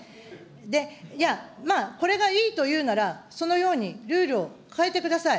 で、いや、まあ、これがいいというなら、そのようにルールを変えてください。